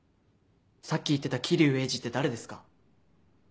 さっき言ってた霧生鋭治って誰ですか？